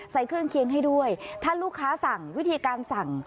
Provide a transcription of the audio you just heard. ใส่เครื่องเคียงให้ด้วยถ้าลูกค้าสั่งวิธีการสั่ง